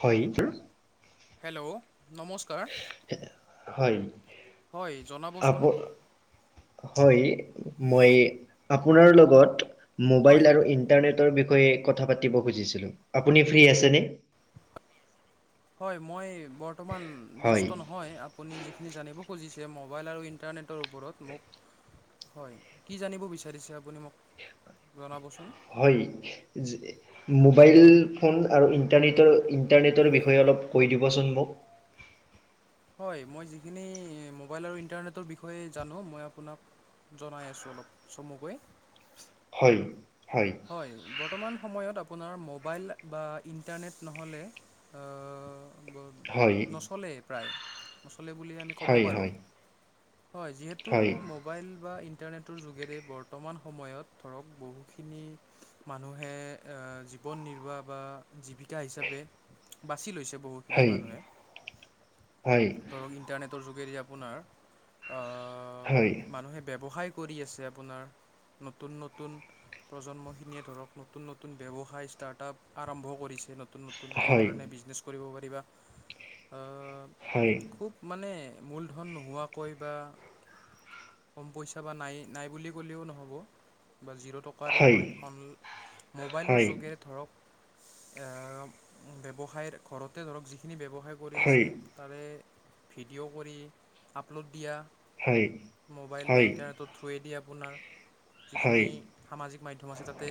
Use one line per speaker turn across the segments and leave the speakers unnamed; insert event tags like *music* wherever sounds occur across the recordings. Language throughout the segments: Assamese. হয় ইটো
হেল্ল' নমস্কাৰ
হয়
হয়
আপ
জনাবচোন
হয়, মই আপোনাৰ লগত
হয়
ম'বাইল আৰু ইন- ইন্টানেটৰ বিষয়ে কথা পাতিব খুজিছিলো আপুনি ফ্ৰী আছে নে?
হয়, মই বৰ্তমান
হয়
ব্যস্ত নহয় আ- আপুনি যিখিনি জানিব খুজিছে ম'বাইল আৰু ইণ্টাৰনেটৰ ওপৰত মোক হয় কি জানিব বিচাৰিছে আপুনি মোক জনাবচোন
হয় মোবাইল ফোন আৰু ইণ্টাৰনেটৰ ইণ্টাৰনেটৰ বিষয়ে অলপ কৈ দিবচোন মোক
হয়, মই যিখিনি ম'বাইল আৰু ইণ্টাৰনেটৰ বিষয়ে জানো মই আপোনাক জনাই আছোঁ অলপ চমুকৈ
হয় হয়
হয়, বৰ্তমান সময়ত আপোনাৰ ম'বাইল বা ইণ্টাৰনেট নহ'লে অ ব
হয়
নচলে প্ৰায় নচলে বুলিহে আমি ক'ব
হয়
পাৰোঁ। হয় যিহেতু
হয়
ম'বাইল বা ইণ্টাৰনেটৰ যোগেৰে বৰ্তমান সময়ত ধৰক বহু খিনি মানুহে আ জীৱন নিৰ্বাহ বা জীৱিকা হিচাপে বাছি লৈছে বহুখিনি
হয়
মানুহে,
হয় হয়
ধৰক ইণ্টাৰনেটৰ যোগেদি আপোনাৰ,
হয়
মানুহে ব্যৱসায় কৰি আছে আপোনাৰ, নতুন নতুন প্ৰজন্মখিনিয়ে ধৰক নতুন নতুন ব্যৱসায় ষ্টাৰ্টআপ আৰম্ভ কৰিছে। নতুন নতুন
হয়
কেনেধৰণে বিজনেছ কৰিব পাৰিবা।
হয়।
মানে মূলধন নোহোৱাকৈ বা কম পইচা বা নাই নাই বুলি ক'লেও নহ'ব বা জিৰ' টকা কোৱাৰে হয় অন মোবাইলৰ
হয়
যোগেৰে ধৰক ব্যৱসায়ৰ ঘৰতে ধৰক যিখিনি ব্যৱসায় কৰি আছে।
হয়
তাৰে ভিডিঅ' কৰি আপলোড দিয়া।
হয়।
মোবাইল বা ইণ্টাৰনেটৰ থ্ৰুৱেদি আপোনাৰ
হয়
যিখিনি সামাজিক মাধ্যম আছে তাতে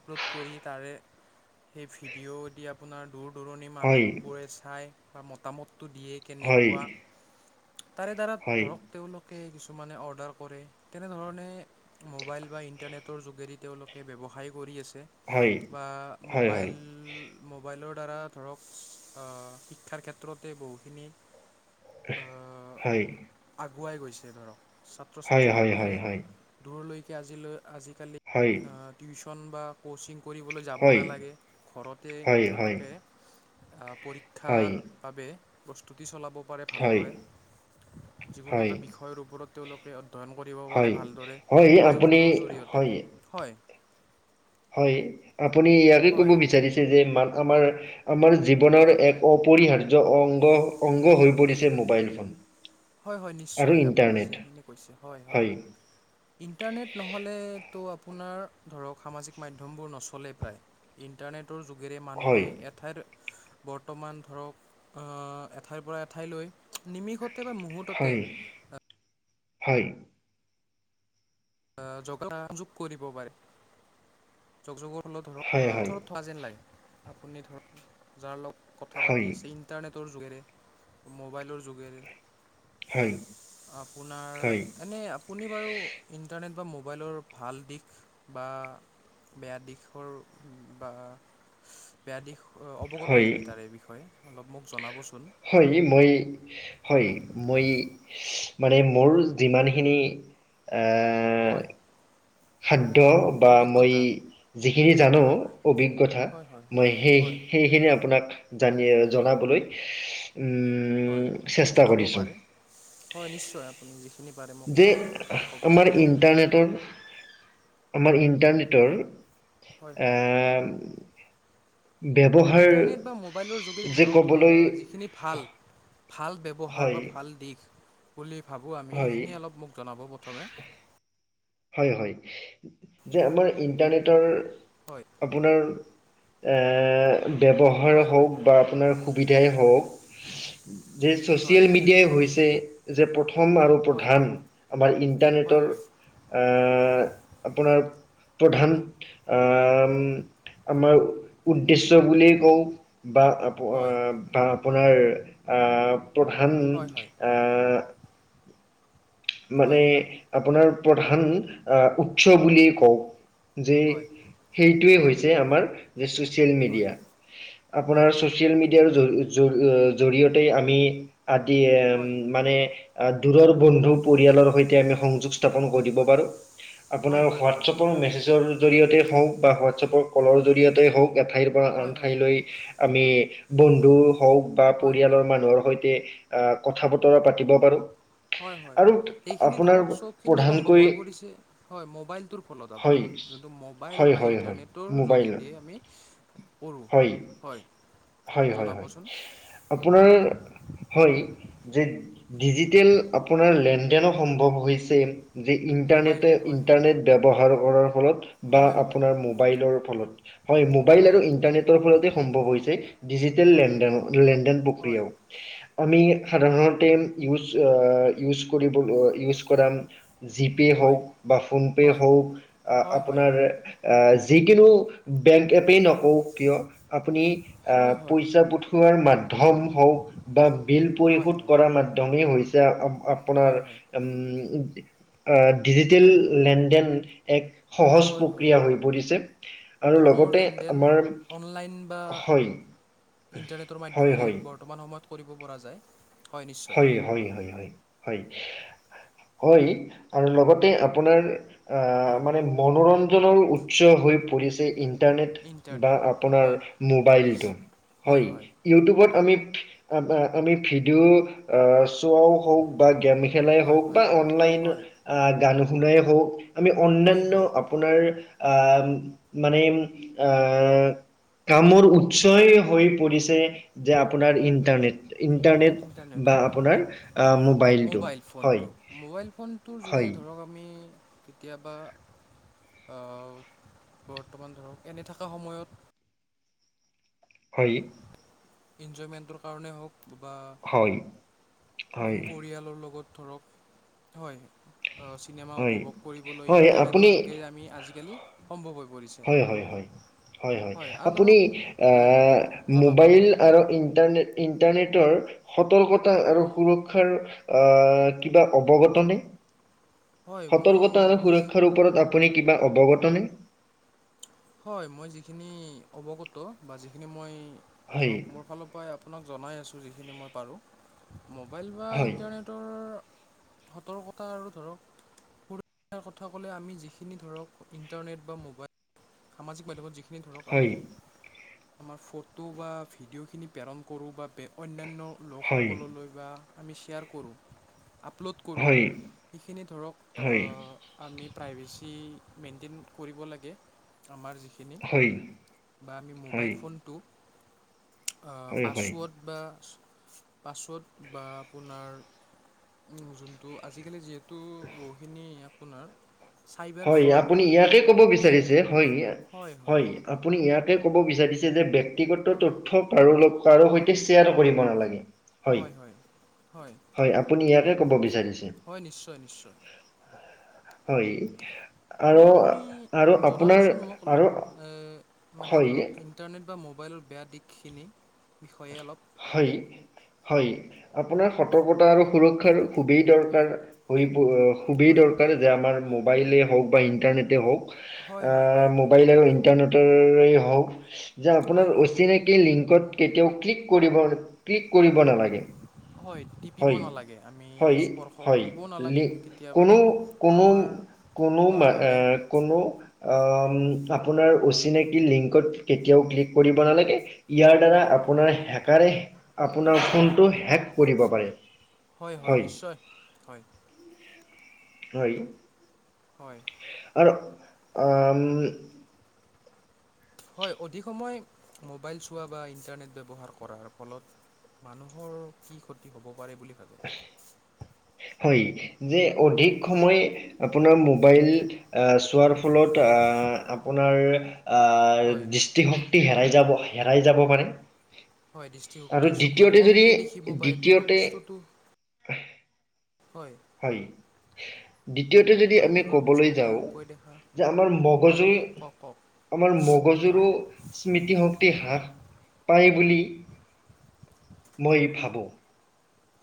আপলোড কৰি তাৰে সেই ভিডিঅ' দি আপোনাৰ দূৰ দূৰণি
হয়
মানুহবোৰে চায় বা মতামতটো দিয়ে কেনেকুৱা তাৰে দ্বাৰা ধৰক তেওঁলোকে কিছুমানে অৰ্ডাৰ কৰে তেনেধৰণে মোবাইল বা ইণ্টাৰনেটৰ যোগেদি তেওঁলোকে ব্যৱসায় কৰি আছে। বা মোবাইল মোবাইলৰ দ্বাৰা ধৰক শিক্ষাৰ ক্ষেত্ৰতে বহুখিনি আহ,
হয়।
আগুৱাই গৈছে ধৰক ছাত্ৰ-ছাত্ৰীসকলে দূৰলৈকে আজিলৈ আজিকালি টিউচন বা ক'চিং কৰিবলৈ যাব নালাগে ঘৰতে তেওঁলোকে পৰীক্ষা পৰীক্ষাৰ বাবে প্ৰস্তুতি চলাব পাৰে। ভালদৰে যিকোনো এটা বিষয়ৰ ওপৰত তেওঁলোকে অধ্যয়ন কৰিব পাৰে ভালদৰে মোবাইল
আপুনি
ফোনৰ জৰিয়তে
হয়,
হয়।
হয় আপুনি ইয়াকে ক'ব
হয়
বিচাৰিছে যে মাধমাৰ আমাৰ আমাৰ জীৱনৰ
হয়
এক অপৰিহাৰ্য অ অংগ অংগ হৈ পৰিছে মোবাইল ফোন।
হয় হয়
আৰু
নিশ্চয় আপুনি
ইণ্টাৰনেট
যিখিনি কৈছে হয় হয়। ইণ্টাৰনেট নহ'লেতো আপোনাৰ ধৰক সামাজিক মাধ্যমবোৰ নচলেই প্ৰায়। ইণ্টাৰনেটৰ যোগেৰে মানুহে
হয়,
এড এঠাইৰ বৰ্তমান ধৰক এঠাইৰ পৰা এঠাইলৈ নিমিষত
হয়, হয়।
যোগা যোগ কৰিব পাৰে, যোগ যোগৰ হলেও ধৰক
হয়, হয়,
কেনেকুৱা যেন আপুনি ধৰক যাৰ লগ কথা পাতি আছে। ইণ্টাৰনেটৰ যোগেৰে মোবাইলৰ যোগেৰে
হয়, হয়,
আপোনাৰ
হয়,
এনেই আপুনি বাৰু ইণ্টাৰনেট বা মোবাইলৰ ভাল দিশ বা বেয়া দিশৰ বা বেয়া দিশ অৱগত
হয়।
নেকি তাৰ এই বিষয়ে অলপ মোক জনাবচোন।
হয় মই হয় মই মানে মোৰ যিমানখিনি
হয়।
খাদ্য বা মই
অভিজ্ঞতা
যিখিনি জানো
হয় হয়
অভিজ্ঞতা
হয় হয় হয়
মই সেই
হয়
সেইখিনি আপোনাক জানি জনাবলৈ
হয়,
চেষ্টা
জনাব
কৰিছোঁ
পাৰে, হয় নিশ্চয় আপুনি যিখিনি পাৰে মোক -
যে আমাৰ ইণ্টাৰনেটৰ - আমাৰ ইণ্টাৰনেটৰ
হয়
এ
হয়
-
ইণ্টাৰনেট বা মোবাইলৰ যোগেদি
যে
ধৰক
ক'বলৈ
যিখিনি ভাল - ভাল ব্যৱহাৰ
হয়
বা ভাল দিশ বুলি ভাবোঁ আমি
হয়
সেইখিনি অলপ মোক জনাব প্ৰথমে।
হয় হয়। যে আমাৰ ইণ্টাৰনেটৰ -
হয়।
আপোনাৰ, এ ব্যৱহাৰ
হয় হয়
হওক বা আপোনাৰ - সুবিধাই হ‌ওক, যে
হয়
ছ'চিয়েল মিডিয়াই হৈছে যে প্ৰথম - প্ৰথম আৰু
হয়
প্ৰধান
হয়
আমাৰ
হয় হয়
ইণ্টাৰনেটৰ - এ আপোনাৰ প্ৰধান - আ আমাৰ উদ্দেশ্য বুলিয়েই কওঁ বা
হয়
- বা আপোনাৰ প্ৰধান
হয় হয়
আ -
হয়
মানে
হয়
আপোনাৰ প্ৰধান আহ উৎস বুলিয়েই কওঁ। যে
হয়
সেইটোৱেই হৈছে আমাৰ যে ছ'চিয়েল
হয়
মিডিয়া।
হয়
আপোনাৰ ছ'চি - ছ'চিয়েল মিডিয়াৰ জ জৰি জৰিয়তে আমি আদি
হয়
মানে - আ দূৰৰ বন্ধু - পৰিয়ালৰ সৈতে আমি সংযোগ স্থাপন
হয় হয়
কৰিব
হয়
পাৰোঁ।
হয় হয় হয় হয়
আপোনাৰ
হয়
ৱাট‌এপৰ মেচেজৰ - জৰিয়তে হওক বা হোৱাটছএপৰ কলৰ জৰিয়তে হওক এঠাইৰ পৰা
হয়
আন ঠাইলৈ। আমি বন্ধু হওক বা
হয়
পৰিয়ালৰ মানুহৰ সৈতে - কথা বতৰা পাতিব পাৰোঁ।
হয় হয়, এইখিনি ধৰক চবখিনি সম্ভৱ
প্ৰধানকৈ
হৈ পৰিছে হয় মোবাইলটোৰ ফলত
হয়
আপোনাৰ। যোনটো মোবাইল
হয়
বা
হয় হয়
ইণ্টাৰনেটৰ
মোবাইল
যোগেদিয়ে আমি কৰোঁ
হয়
হয়।
হয় হয় হয়
জনাবচোন।
আপোনাৰ হয়, যে ডিজিটেল আপোনাৰ - লেন দেনো সম্ভৱ হৈছে যে
মোবাইল
ইন্টাৰনেটে
হয় হয়
ইন্টাৰনেট ব্যৱহাৰ কৰাৰ ফলত। বা
হয় হয়
আপোনাৰ মোবাইলৰ ফলত। হয় মোবাইল
হয়
আৰু ইণ্টাৰনেটৰ ফলতে সম্ভৱ হৈছে। ডিজিটেল
হয়
লেনদেন লেনদেন মোৰ প্ৰিয়।
হয়
আমি সাধাৰণতে ইউচ্ ইউচ্ কৰিবল এ ইউচ্ - ইউচ্ কৰা জি পে
হয়
হ‌ওক বা ফোন পে
হয়
হওক আ আ
হয় হয় হয় হয়
আপোনাৰ - অ যিকোনো বেংক এপেই নহ‌ওক - হওক কিয় আপুনি আহ
হয় হয়
পইচা পঠোৱাৰ মাধ্যম হওক। বা বিল
হয় হয়
পৰিশোধ কৰাৰ মাধ্যমেই হৈছে আপোনাৰ
হয় হয়
- আ ডিজিটেল লেনদেন এক - সহজ
হয় হয়
প্ৰক্ৰিয়া হৈ পৰিছে। আৰু
ধনৰ
লগতে
লেনদেন
আমাৰ,
অনলাইন বা
হয়।
ইণ্টাৰনেটৰ
হয়,
মাধ্যমেৰে
হয়।
বৰ্তমান সময়ত কৰিব পৰা যায়।
হয়, হয়, হয়, হয়। হয়। হয় আৰু লগতে আপোনাৰ আ
হয়
মানে - মনোৰঞ্জনৰ উৎস হৈ পৰিছে ইন - ইন্টাৰনেট বা
ইণ্টাৰনেট
আপোনাৰ
হয়
মোবাইলটো, হয়। ইউটিউবত আমি আ আমি ভিডিঅ' চোৱাও হওক বা গেম খেলাই
হয়
হওক
হয়
বা অনলাইন
হয়
আহ গান শুনাই হওক - আমি
হয়
অন্যান্য
হয়
আপোনাৰ আহ মানে আহ - কামৰ উৎসই হৈ পৰিছে যে আপোনাৰ ইণ্টাৰনেট, ইণ্টাৰনেট।
ইণ্টাৰনেট
বা
হয়,
আপোনাৰ আহ,
হয়।
মোবাইলটো
মোবাইল
হয়
ফোনটো, মোবাইল ফোনটোৰ যোগে
হয়
ধৰক আমি কেতিয়াবা আ বৰ্তমান ধৰক এনে থকা সময়ত
কৰি
ইঞ্জয়মেন্তৰ কাৰণে হওক বা
হয়। হয়
পৰিয়ালৰ লগত ধৰক, হয়। আঁ চিনেমা
হয়
উপভোগ কৰিবলৈ
হয় আপুনি
ইণ্টাৰনেটৰ যোগে আমি আজিকালি সম্ভৱ হৈ পৰিছে।
হয় হয় হয় হয়, হয়।
আৰু
আপুনি
ধৰক
আ
আহ, জনাব
মোবাইল আৰু ইণ্টাৰনেট, ইণ্টাৰনেটৰ সতৰ্কতা আৰু
হয়
সুৰক্ষাৰ আঁ কিবা অৱগত নে?
হয় মই
সতৰ্কতা আৰু
যি
সুৰক্ষাৰ ওপৰত আপুনি কিবা অৱগতনে?
হয়, মই যিখিনি অৱগত বা যিখিনি মই
হয়
ধৰক মোৰ এফালৰপৰাই আপোনাক জনাই আছোঁ যিখিনি মই পাৰোঁ। মোবাইল বা
হয়
ইণ্টাৰনেট টৰ সতৰ্কতা আৰু ধৰক সুৰক্ষাৰ কথা ক'লে আমি যিখিনি ধৰক ইণ্টাৰনেট বা ম'বাইল সামাজিক মাধ্যমত যিখিনি ধৰক
হয়
আমি আমাৰ ফটো বা ভিডিঅ'খিনি প্ৰেৰণ কৰোঁ বা অন্যান্য
হয়
লোকসকললৈ বা আমি শ্বেয়াৰ কৰোঁ, আপলোড কৰোঁ
হয়
সেইখিনি ধৰক
হয়
আ আমি প্ৰাইভেচি মেইনটেইন কৰিব লাগে। আমাৰ যিখিনি
হয়
বা আমি মোবাইল
হয়
ফোনটোক
হয় হয়
পাছৱৰ্ড বা পাছৱৰ্ড বা আপোনাৰ উম, যোনটো আজিকালি যিহেতু বহুখিনি আপোনাৰ চাইবাৰ
হয়,
ফ্ৰড
আপুনি ইয়াকে ক'ব বিচাৰিছে হয়, হয়। আপুনি ইয়াকে ক'ব বিচাৰিছে যে ব্যক্তিগত
হয়
তথ্য কাৰো লগ্ কাৰো সৈতে চেয়াৰ কৰিব নালাগে। হয়, হয় আপ্ আপুনি ইয়াকে ক'ব বিচাৰিছে?
হয়, নিশ্চয় নিশ্চয়।
হয়
আৰু আপুনি
আৰু আপোনাৰ
জনাবচোন মোক অলপ
আৰু
আ মানে ধৰক
হয়
ইণ্ট ইণ্টাৰনেট বা মোবাইলৰ বেয়া দিশখিনিৰ বিষয়ে অলপ।
হয়। হয়, আপোনাৰ সতৰ্কতা আৰু সুৰক্ষাৰ খুবেই দৰকাৰ হৈ প ' খুবেই
হয়
দৰকাৰ যে আমাৰ মোবাইলেই হওক বা ইণ্টাৰনেটেই হওক
হয় হয় হয়
আ পাৰিলে আক ' ইণ্টাৰনেটৰেই হওক যে আপোনাৰ
হয়
অচিনাকি লিংকত কেতিয়াও ক্লিক কৰিবৰ ক্লিক কৰিব নালাগে।
হয়, টিপ্ টিপিব
হয়।
নালাগে, আমি
হয়
স্পৰ্শ
হয়
কৰিবও
লি
নালাগে। কেতিয়াবা
কোনো
ধৰক
কোনো
আমাৰ
কোনো
হয়
মা
হয়
এ
বেংক
কোনো আ ম আপোনাৰ অচিনাকি লিংকত কেতিয়াও ক্লিক কৰিব নালাগে। ইয়াৰ দ্বাৰা
হয়
আপোনাৰ হেকাৰে আপোনাৰ ফোনটো হেক কৰিব। পাৰে
হয়, হয় নিশ্চয় হয়।
হয়।
হয়।
আৰু অওম
হয় অধিক সময় মোবাইল চোৱা বা ইণ্টাৰনেট ব্যৱহাৰ কৰাৰ ফলত মানুহৰ কি ক্ষতি হ'ব পাৰে বুলি ভাবে
হয়ঁ যে অধিক সময় আপোনাৰ মোবাইল চোৱাৰ ফলত অঅ আপোনাৰ আ
হয়
দৃষ্টিশক্তি হেৰাই যাব হেৰাই যাব পাৰে।
হয় দৃষ্টিশক্তি
আৰু
চকুৰে
দ্বিতীয়তে যদি
কমকে দেখিব পাৰে দূৰৰ
দ্বিতীয়তে
হয়ঁ!
হয়ঁ! দ্বিতীয়তে যদি
হয়
আমি
দূৰৰ
ক'বলৈ
বস্তু
যাওঁ
কমকৈ দেখা
যে আমাৰ
হয়
মগজুুৰ
কওক কওক
আমাৰ মগজুৰো
হয়
স্মৃতিশক্তি হ্ৰাস পায় বুলি মই ভাবোঁ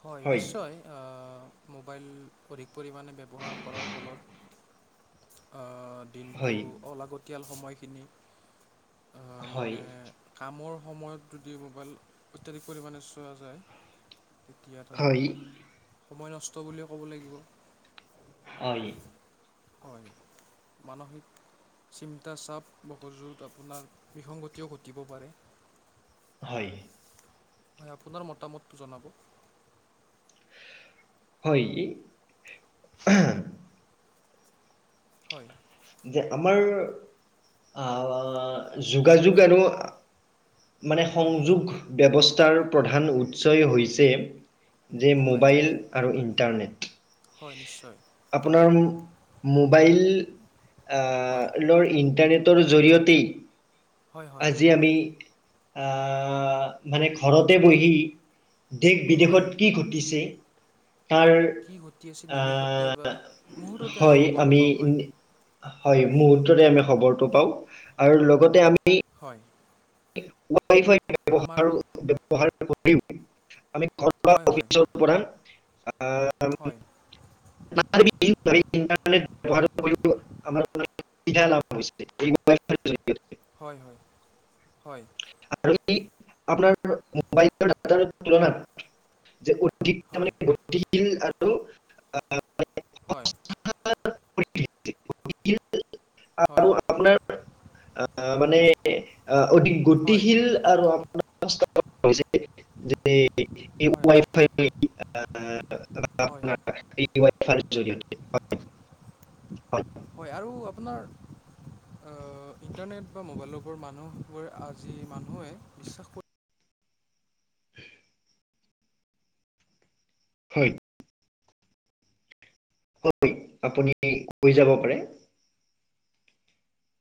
হয়ঁ!
হয়
নিশ্চয় মোবাইল অধিক পৰিমাণে ব্যৱহাৰ কৰাৰ ফলত অঁ! দিনটো
হয়
অলাগতিয়াল সময়খিনি আ
হয়
মানে কামৰ সময়ত যদি মোবাইল অত্যাধিক পৰিমাণে চোৱা যায় তেতিয়া ধৰক
হয়
সময় নষ্ট বুলিয়ে ক'ব লাগিব।
হয়ঁ!
হয়ঁ! মানসিক চিন্তা চাপ মকজুত আপোনাৰ বিসংগতিও ঘটিব পাৰে।
হয়ঁ!
হয়ঁ! আপোনাৰ মতামতটো জনাব।
হয়ঁ! ই এহে
হয়ঁ!
যে আমাৰ আহ যোগাযোগ আৰু মানে
হয়
সংযোগ ব্যৱস্থাৰ প্ৰধান উৎসয় হৈছে যে মোবাইল আৰু ইণ্টাৰনেট
হয়ঁ! নিশ্চয়।
আপোনাৰ
হয়
মোবাইললৰ ইণ্টাৰনেট জৰিয়তে
হয় হয়
আজি আমি আহ মানে ঘৰতে বহি দেশ
হয়
বিদেশত কি ঘটিছে তাৰ
কি ঘটি আছিল
আ আ
নিমিষতে বা মুহূৰ্ততে
হয়ঁ!
খবৰটো
আমি
পাওঁ হয়
হয়ঁ মুহূৰ্ততে আমি খবৰটো পাওঁ আৰু লগতে আমি
হয়ঁ!
ৱাইফাই ব্যৱহাৰ কৰিম আমি ঘৰৰপৰা
হয় হয়
অফিচত প্ৰধান আ
হয়
চাৰি দিন ইণ্টাৰনেট ব্যৱহাৰ কৰিব আমাৰ পৰা এতিয়া লাভ হৈছে এই ম'বাইল ফোন জৰিয়তে
হয়ঁ হয়ঁ হয়ঁ।
আৰু ই আপোনাৰ মোবাইল তুলনাত যে ওট অধিক
হয় হয়
তাৰমানে গতিশীল আৰু আহ
হয়ঁ!
*unintelligible* আৰু আপোনাৰ আহ মানে আহ,
হয়
অধিক গতিশীল আৰু *unintelligible* যেনে এই
হয়
ৱাইফাই আ আপোনাৰ
হয়
এই ৱাইফাই জৰিয়তে হয় হয়
হয় আৰু আপোনাৰ আ ইণ্টাৰনেট বা মোবাইলৰ ওপৰত মানুহবোৰে আজি মানুহে বিশ্বাস কৰে
হয় হয় আপুনি কৈ যাব পাৰে